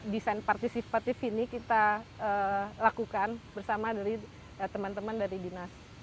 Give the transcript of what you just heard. desain partisipatif ini kita lakukan bersama dari teman teman dari dinas